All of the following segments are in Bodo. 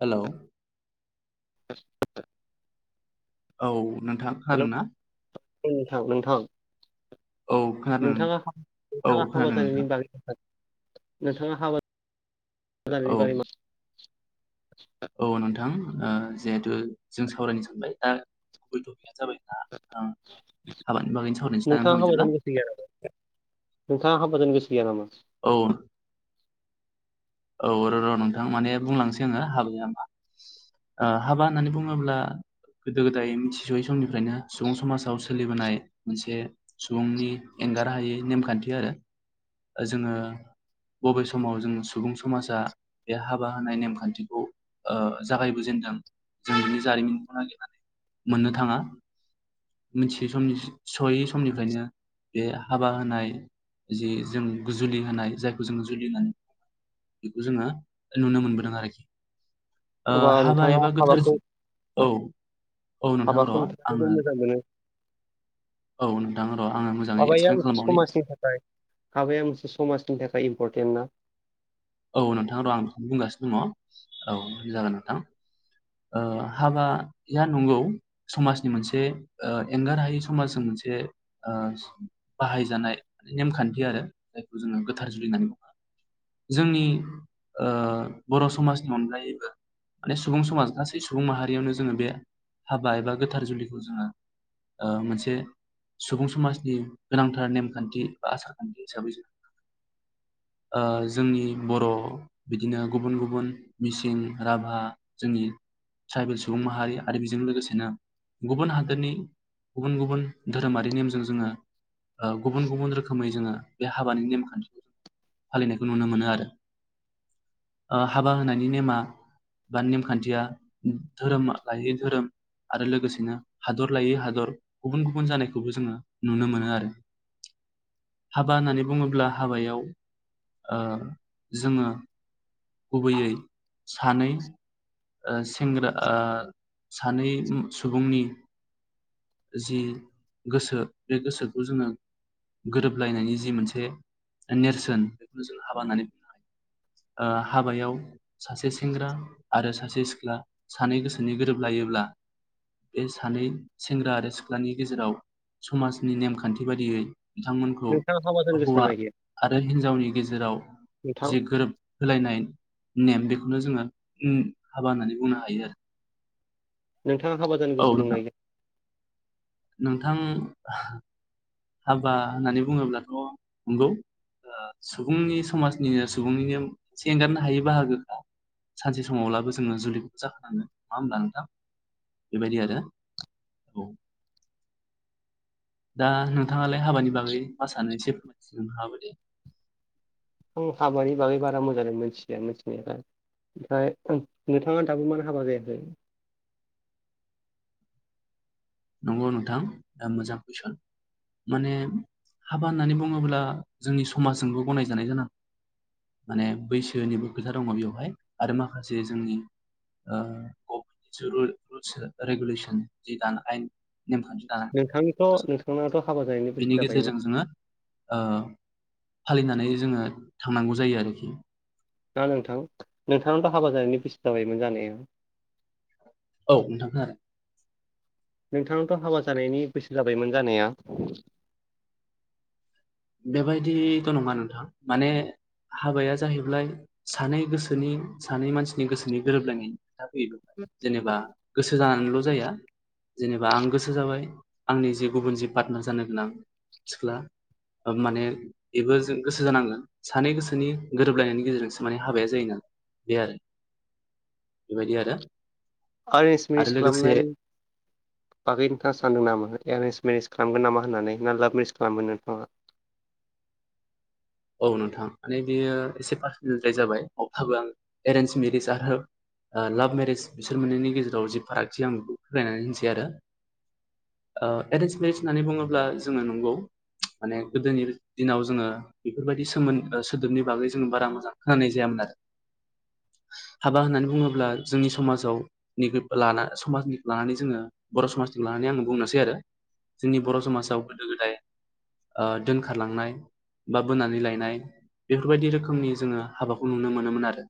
हेलौ। [inaudible] औ। नोंथां हेलौ' खोनादों ना? नोंथां नोंथां। औ खोनादों नोंथाङा औ नोंथाङा हाबा खोनादों नोंथां जानायनि बागै नोंथाङा हाबा औ जानायनि बारै मा औ नोंथां जिहेथु जों सावरायनो सानबाय दा जाबाय हाबानि बागै सावरायनोसै नोंथाङा जां हाबा बिदिब्ला जानो गोसो गैया नोंथाङा हाबा जाना बेसे औ। औ र' र' नोंथां माने बुंलांनोसै आङो हाबै नामा हाबा होननानै बुङोब्ला गोदो गोदाय मिथिस'यै समनिफ्रायनो सुबुं समाजाव सोलिबोनाय मोनसे सुबुंनि एंगारनो हायै नेमखान्थि आरो जोङो बबे समाव जों सुबुं समाजा बे हाबा होनाय नेमखान्थिखौ ओ जागायबोजेनदों जों बिनि जारिमिनखौ नागिरनानै मोननो थाङा। मोनथियै समनि सयै समनिफ्रायनो बे हाबा होनाय जि जों जुलि होनाय जायखौ जोङो जुलि होनो। बेखौ जोङो नुनो मोनबोदों आरोखि। ओ अब्ला हाबा नोंथाङा एबा गोथार हाबाखौ औ औ नोंथां र' हाबाखौ नोंथाङा जोबोद आङो मोजां मोनो औ नोंथां। र' आङो मोजाङै हाबाया एक्सप्लेन मोनसे खालामबावनि समाजनि थाखाय हाबाया मोनसे समाजनि थाखाय इम्परटेन्ट ना? औ नोंथां र' आं बेखौनो बुंगासिनो दङ औ जागोन नोंथां। हाबाया नंगौ समाजनि मोनसे एंगार हायै समाजजों मोनसे मोनसे बाहायजानाय नेमखान्थि आरो जायखौ जोङो गोथार जुलि होननानै बुङो। जोंनि बर' समाजनि अनगायैबो माने सुबुं समाज गासै सुबुं माहारियावनो जोङो बे हाबा एबा गोथार जुलिखौ जोङो ओ मोनसे सुबुं समाजनि गोनांथार नेमखान्थि बा आसारखान्थि हिसाबै जों ओ जोंनि बर' बिदिनो गुबुन गुबुन मिसिं राभा जोंनि ट्राइबेल सुबुं माहारि आरो बेजों लोगोसेनो गुबुन हादोरनि गुबुन गुबुन धोरोमारि नेमजों जोङो गुबुन गुबुन रोखोमै जोङो बे हाबानि नेमखान्थिखौ फालिनायखौ नुनो मोनो आरो। हाबा होनायनि नेमा बा नेमखान्थिया धोरोम लायै धोरोम आरो लोगोसेनो हादर लायै हादर गुबुन गुबुन जानायखौबो जोङो नुनो मोनो आरो। [inaudible] हाबा होननानै बुङोब्ला हाबायाव ओ जोङो गुबैयै सानै ओ सेंग्रा ओ सानै सुबुंनि जि गोसो बे गोसोखौ जोङो गोरोबलायनायनि जि मोनसे नेरसोन बेखौनो जों हाबा होननानै बुंनो हायो। ओ हाबायाव सासे सेंग्रा आरो ससे सिख्ला सानै गोसोनि गोरोबलायोब्ला बे सानै सेंग्रा आरो सिख्लानि गेजेराव समाजनि नेमखान्थि बायदियै बिथांमोनखौ नोंथाङा हाबा जानो गोसो हौवा दंना गैया आरो हिन्जावनि गेजेराव नोंथां? जि गोरोब होलायनाय नेम बेखौनो जोंङो, ओ हाबा होननानै बुंनो हायोआरो। नोंथांङा हाबा जानो गोसो दंना गैया? नोंथां, हाबा होननानै बुंङोब्लाथ' नंगौ, ओ सुबुंनि समाजनिनो सुबुंनिनो मोनसे एंगारनो हायै बाहागोखा। सानसे समावब्लाबो जोंङो जुलिखौ जाखांनांगोन नंङा होनब्ला नोंथां? बेबायदि आरो। औ दा नोंथांङालाय हाबानि बागै मा सानो एसे फोरमायथिनो हाबाय दि [inaudible] आं हाबानि बागै बारा मोजांङै मिथिया मिथिनायाल, ओमफ्राय ओ नोंथांङा दाबो मानो हाबा जायाखै? नंगौ नोंथां दा मोजां कुइसन, माने हाबा होननानै बुंङोब्ला जोंनि समाज जोंबो गनायजानाय जानांगोन, माने बैसोनिबो खोथा दंङ बेवहाय आरो माखासे जोंनि ओ गबमेन्टनि जि रुल आरो रेगुलेसन जि दाना आइन नेमखान्थि दानाय नोंथांनिथ' बेखौबो जोंङो नोंथांनाथ' हाबा जानायनि बैसो बेनि जाबायमोन। गेजेरजों जोंङो ओ फालिनानै जोंङो थांनांगौ जायो आरोखि। दा नोंथां नोंथांआथ' हाबा जानायनि बैसो जाबायमोन जानाया औ नोंथां खोनादों। नोंथांनावथ' हाबा जानायनि बैसो जाबायमोन जानाया बेबायदिथ' नंङा नोंथां माने, हाबाया जाहैब्लाय सानै गोसोनि सानै मानसिनि गोसोनि गोरोबलायनायनि, खोथाया फैयो जेनेबा गोसो जानानैल' जाया, जेनेबा आं गोसो जाबाय, आंनि जि गुबुन जि पार्टनार जानो गोनां सिख्ला माने इबो जों गोसो जानांगोन सानै गोसोनि गोरोबलायनायनि गेजेरजोंसो माने हाबाया जायो नालाय। बे आरो बेबायदि आरो। एरेन्ज आरो मिरिस खालाम लोगोसे नायनि बागै नोंथांङा सानदों नामा? एरेन्स मेरिज खालामगोन नामा होननानै ना लाभ मेरेज खालामगोन नोंथांङा? औ नोंथां माने बेयो एसे पार्सनेलद्राय जाबाय। अब्लाबो आं एरेन्ज मेरिज आरो लाभ मेरेज बिसोर मोनैनि गेजेराव जि फारागथि आं बेखौ फोलायनानै होनोसै, आरो ओ एरेन्ज मेरिज होननानै बुंङोब्ला जोंङो नंगौ, माने गोदोनि दिनाव जोंङो, बेफोरबायदि सोमो सोदोबनि बागै जोंङो बारा मोजां खोनानाय जायामोन, आरो हाबा होननानै बुंङोब्ला जोंनि समाजाव निबो लाना समाजनि लानानै जोंङो, बर' समाजनि लानानै आं बुंनोसै आरो जोंनि बर' समाजाव गोदो गोदाय ओ दोनखारलांनाय, बा बोनानै लायनाय बेफोरबायदि रोखोमनि जोंङो हाबाखौ नुनो मोनोमोन आरो।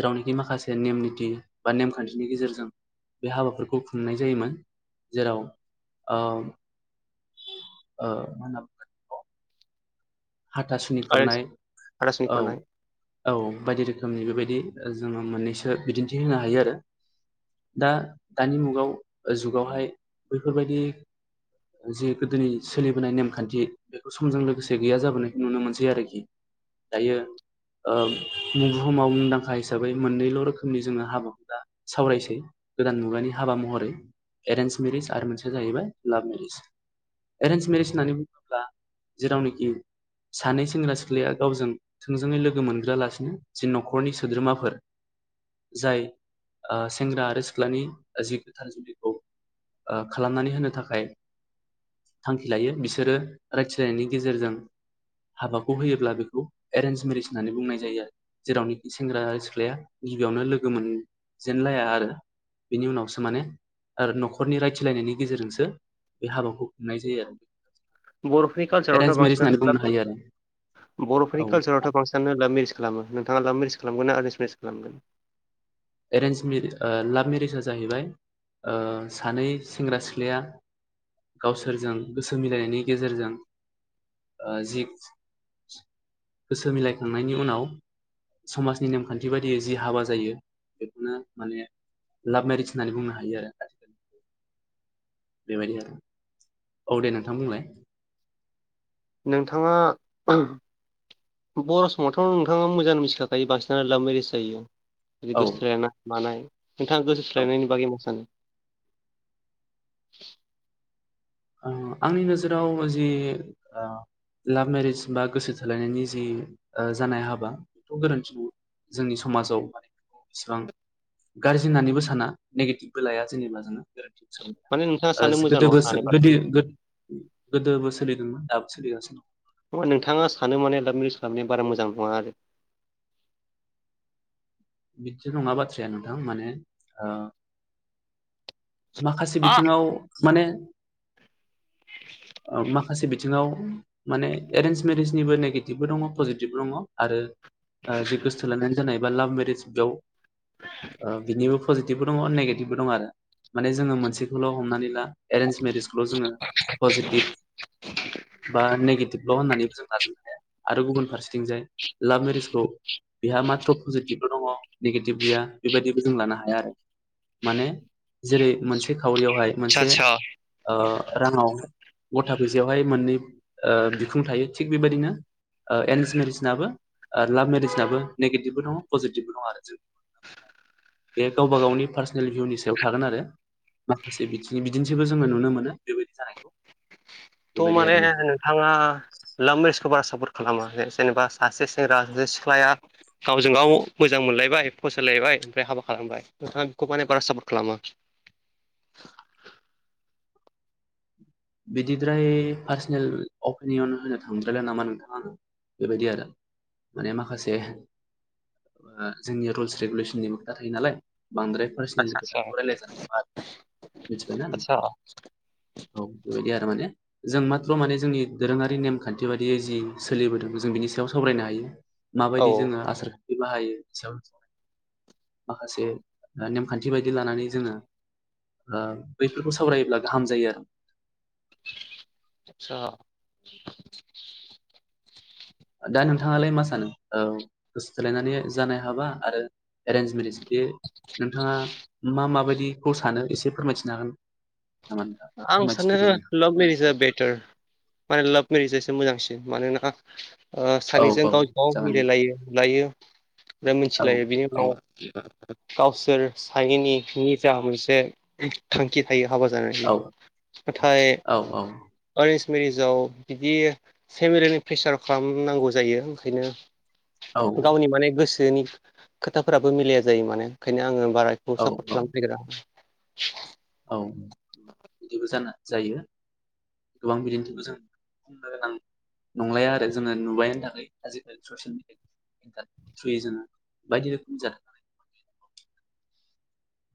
जेरावनिखि माखासे नेम निथि बा नेमखान्थिनि गेजेरजों, बे हाबाफोरखौ खुंनाय जायोमोन, जेराव ओ ओ मा होनना बुंगोन बेखौ, हाथा सुनि एरेन्ज खुरनाय। हाथासुनि औ खुरनाय औ। बायदि रोखोमनि बेबायदि, जोंङो मोननैसो बिदिन्थि होनो हायो आरो। दा दानि मुगाव ओ जुगावहाय बैफोर बायदि जि गोदोनि सोलिबोनाय नेमखान्थि बेबो समजों लोगोसे गैया जाबो नाय नुनो मोनसै आरोखि दायो, ओ बुहुमाव मुंदांखा हिसाबै मोननैल' रोखोमनि जोंङो हाबाफुला सावरायनोसै? गोदान मुगानि हाबा महरै एरेन्ज मेरिज आरो मोनसेया जाहैबाय लाभ मेरिज, एरेन्ज मेरिेज होननानै बुंङोब्ला जेरावनोखि सानै सेंग्रा सिख्लाया गावजों थोंजोंङै लोगो मोनग्रालासिनो जि न'खरनि सोद्रोमाफोर जाय ओ सेंग्रा आरो सिख्लानि जि गोथार जुलिखौ, ओ खालामनानै होनो थाखाय थांखि लायो बिसोरो रायथिलायनायनि गेजेरजों हाबाखौ होयोब्ला बेखौ एरेन्ज मेरिज होननानै बुंनाय जायो आरो जेरावनोखि सेंग्रा सिख्लाया गिबियावनो लोगो मोनजेनलाया आरो बिनि उनावसो माने आरो न'खरनि रायथिलायनायनि गेजेरजोंसो बे हाबाखौ खुंनाय जायो आरो। बर'फोरनि एरेन्ज कालसारावथ' मेरिज बांसिनानो होननानै बुंनो हायो आरो लाभमेरिस बर'फोरनि औ कालसारावथ' बांसिनानो लाभमेरिस खालामो नोंथाङा लाभमेरिस खालामगोन ना एरिनस मेरिस खालामगोन एरेन्ज मेरि ओ लाभ मेरिजा जाहैबाय ओ सानै सेंग्रा सिख्लाया गावसोरजों गोसो मिलायनायनि गेजेरजों ओ जि गोसो मिलायखांनायनि उनाव समाजनि नेमखान्थि बायदियै जि हाबा जायो। बेखौनो माने लाभ मेरिस होननानै बुंनो हायो आरो बेबायदि आरो औ दे नोंथां बुंलाय नोंथाङा बर' समावथ' नोंथाङा मोजां मिथिखाखायो बांसिनानो लाभ मेरिस जायो इदि औ गोसो थोलाय मानाय नोंथाङा गोसो सोलायनायनि बागै मा सानो [unintelligible] आं आंनि नोजोराव जि ओ लाभ मेरिस बा गोसो थोलायनायनि जि ओ जानाय हाबा बेखौ गोरोन्थि नुवा जोंनि समाजाव माने बेसेबां गाज्रि होननानैबो साना नेगेटिभबो लाया जेनेबा जोङो। माने नोंथाङा ओ सानो मोजां नङा गोदोबो सो होननानै गोदो गोदोबो सोलिदोंमोन दाबो सोलिगासिनो दङ। थ नोंथाङा सानो माने लाब मेरिज खालामबनाया बारा मोजां नङा आरो [unintelligible] बिदि नङा बाथ्राया नोंथां माने ओ माखासे आ बिथिङाव माने माखासे बिथिङाव माने एरेन्ज मेरेजनिबो नेगेटिभबो दङ' पजिटिभ दङ' आरो जि गोसोथोलायनानै जानाय बा लाभ मेरिज बेयाव ओ बिनिबो पजिटिभबो दङ' नेगेटिभबो दङ' आरो माने जोङो मोनसेखौल' हमनानै ला एरेन्ज मेरेजखौल' जोङो पजिटिभ बा नेगेटिभल' होननानैबो जों लाजोबनो हाया आरो गुबुन फारसेथिंजाय लाभ मेरिजखौ बेहा माथ्र' पजिटिभल' दङ नेगेटिभ गैया बेबायदिबो जों लानो हाया आरोखि माने जेरै मोनसे खावरियावहाय मोनसे आतसा आतसा ओ राङाव गथा फैसायावहाय मोननै ओ बिखुं थायो थिग बेबायदिनो ओ एरिन्स मेरिसनाबो लाभ मेरिजाबबो नेगेटिभबो दङ' पजिटिभबो दङ' आरो जों बे गावबा गावनि पार्सनेल भिउनि सायाव थागोन आरो माखासे बि बिदि बिदिन्थिबो बो जोङो नुनो मोनो बेबायदि जानायखौ थ' बेबायदि माने आरो नोंथां नोंथाङा लाभ मेरिस खौबा बारा सापर्ट खालामा जेनेबा सासे सेंग्रा सासे सिख्लाया गावजों गाव मोजां मोनलायबाय फसायलायबाय ओमफ्राय हाबा खालामबाय नोंथाङा बेखौ माने बारा सापर्ट खालामा [unintelligible] बिदिद्राय पार्सनेल अपिनियन होनो थांद्रायलाय नामा नोंथाङा आङो बेबायदि आरो माने माखासे ओ जोंनि रुल्स रेगुलेसननिबो खोथा थायो नालाय बांद्राय पार्सनलि आतसा आतसा खोथाखौ रायलाय जानाय नङा मिथिबायना आतसा नोंथाङा औ बिदि आरो माने जों माथ्र माने जोंनि दोरोङारि नेमखान्थि बादियै जि सोलिबोदों जों बिनि सायाव सावरायनो हा रो औ माबायदि जोङो आसार खान्थि बाहायो बेनि सायाव जोङो माखासे नेमखान्थि बायदि लानानै जोङो ओ बैफोरखौ सावरायोब्ला गाहाम जायो आरो स दा नोंथाङालाय मा सानो औ गोसो थोलायनानै जानाय हाबा आरो एरेन्ज मेरिज बे नोंथाङा मा माबायदिखौ सानो एसे फोरमायथिनो हागोन? नामा नोंथां आं सानो फोरमायथिदो दे लाभ मेरिज आ नोंथां बेथार माने लाभ मेरि मोजांसिन मानोना औ सानैजों औ गावजोंगाव जागोन दे मिलायलायो नुलायो। मोजाङै औ मिथिलायो बिनि औ माबा गावसोर सानैनि निजा मोनसे थांखि थायो। हाबा जानायनि औ नाथाय औ एरेन्स मेरिजाव बिदि फेमिलिनि प्रेसार खालामनांगौ जायो ओंखायनो औ गावनि माने गोसोनि खोथाफोराबो मिलाया जायो माने ओंखायनो आङो बाराखौ औ सापर्ट औ खालामनो नागेरा औ बिदिबो जायो गोबां बिदिन्थिखौ जों बुंनो गोनां नंलाया आरो जोङो नुबायानो थाखायो आजिखालि ससियेल मिडिया इन्टारनेटनि थ्रुयै जोङो बायदि रोखोमनि जा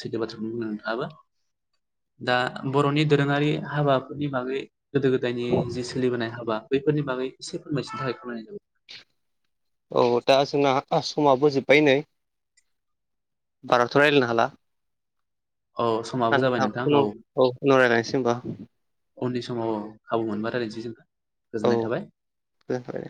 सैथो बाथ्राखौनो बुंदों नोंथाङाबो दा बर'नि दोरोङारि हाबाफोरनि बागै गोदो गोदायनि जि सोलिबोनाय हाबा बैफोरनि बागै एसे फोरमायथिनो थाखाय खावलायनाय जाबाय। औ दा जोंना आसमबो जोब्बाय नै बाराथ रायज्लायनो हाला औ समाबो जाबाय थां नोंथां उन औ उनाव रायज्लायनोसै होनबा उननि समाव खाबु मोनबा रायज्लायनोसै जोङो औ गोजोननाय थाबाय। गोजोनथबाय